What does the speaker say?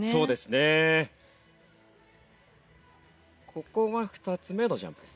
ここが２つ目のジャンプですね。